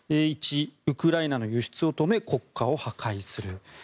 １、ウクライナの輸出を止め国家を破壊する。